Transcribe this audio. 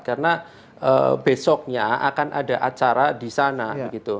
karena besoknya akan ada acara di sana gitu